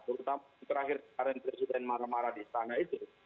terutama terakhir karen presiden maramara di sana itu